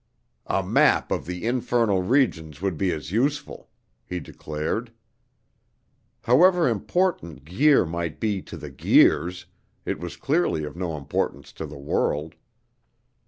"A map of the infernal regions would be as useful," he declared. However important Guir might be to the Guirs, it was clearly of no importance to the world.